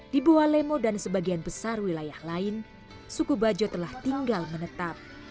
di bua lemo dan sebagian besar wilayah lain suku bajo telah tinggal menetap